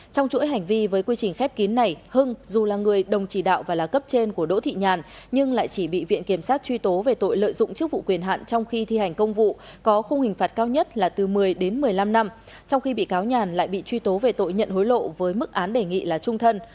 trong chuỗi hành vi với quy trình khép kín này hưng dù là người đồng chỉ đạo và là cấp trên của đỗ thị nhàn nhưng lại chỉ bị viện kiểm sát truy tố về tội lợi dụng chức vụ quyền hạn trong khi thi hành công vụ có khung hình phạt cao nhất là từ một mươi đến một mươi năm năm trong khi bị cáo nhàn lại bị truy tố về tội nhận hối lộ với mức án đề nghị là trung thân